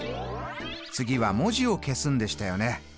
次は文字を消すんでしたよね。